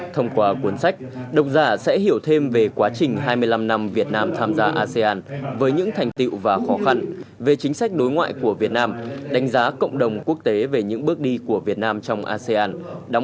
thông qua cuốn sách độc giả sẽ hiểu thêm về quá trình hai mươi năm năm việt nam tham gia asean với những thành tiệu và khó khăn về chính sách đối ngoại của việt nam đánh giá cộng đồng quốc tế về những bước đi của việt nam trong asean